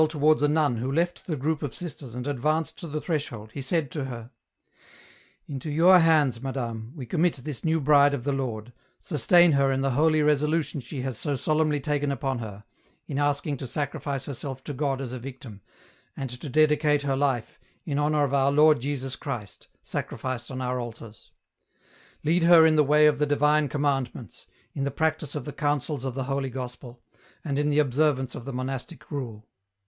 109 towards a nun who left the group of sisters and advanced to the threshold, he said to her, —" Into your hands, Madame, we commit this new bride of the Lord, sustain her in the holy resolution she has so solemnly taken upon her, in asking to sacrifice herself to God as a victim, and to dedicate her life in honour of our Lord Jesus Christ, sacrificed on our altars. Lead her in the way of the divine Commandments, in the practice of the counsels of the Holy Gospel, and in the observance of the monastic rule.